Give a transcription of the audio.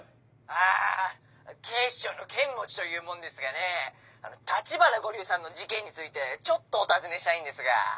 あぁ警視庁の剣持というもんですがねぇ橘五柳さんの事件についてちょっとお尋ねしたいんですが。